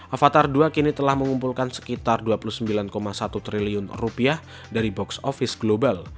avatar dua kini telah mengumpulkan sekitar dua puluh sembilan satu triliun rupiah dari box office global